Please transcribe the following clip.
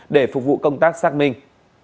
để phục vụ công tác xác minh